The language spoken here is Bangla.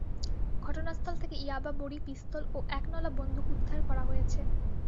ঘটনাস্থল থেকে ইয়াবা বড়ি, পিস্তল ও একনলা বন্দুক উদ্ধার করা হয়েছে।